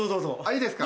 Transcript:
いいですか。